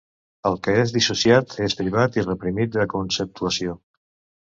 El que és dissociat és privat i reprimit de conceptuació.